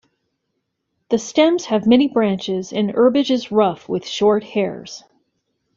The stems have many branches and the herbage is rough with short hairs.